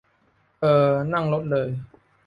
เอ่อ นั่งรถเลย